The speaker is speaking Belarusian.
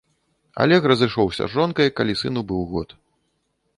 Алег разышоўся з жонкай, калі сыну быў год.